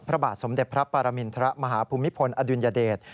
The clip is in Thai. พระบาทสมเด็จพระปรมินทรมาฮภูมิพลอดุลยเดช